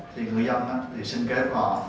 thì ngư dân thì xin kết quả